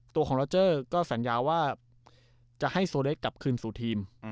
ตัวของลัวเจอร์ก็สัญญาว่าจะให้โซเลสท์กลับขึ้นกับทีม